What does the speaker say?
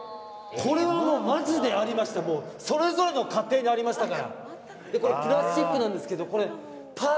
これはありましたそれぞれの過程にありましたから。